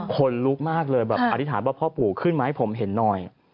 คนลุกมากเลยแบบอธิษฐานว่าพ่อปู่ขึ้นมาให้ผมเห็นหน่อย